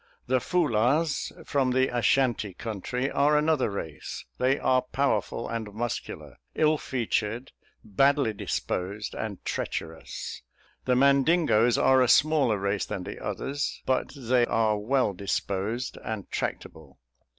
The Foulahs, from the Ashantee country, are another race, they are powerful and muscular, ill featured, badly disposed, and treacherous. The Mandingoes are a smaller race than the others, but they are well disposed and tractable.